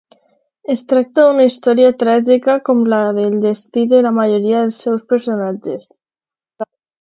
Es tracta d'una història tràgica com la del destí de la majoria dels seus personatges.